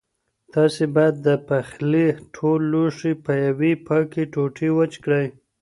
تاسو باید د پخلي ټول لوښي په یوې پاکې ټوټې وچ کړئ.